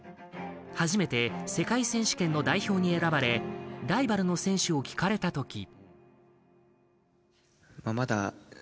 初めて世界選手権の代表に選ばれライバルの選手を聞かれた時。